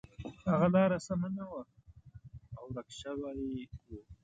هغه لاره سمه نه وه او ورک شوی و.